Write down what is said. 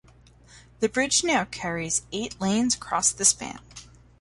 The bridge now carries eight lanes across the span.